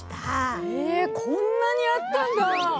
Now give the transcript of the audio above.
へえこんなにあったんだ。